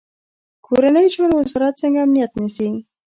کورنیو چارو وزارت څنګه امنیت نیسي؟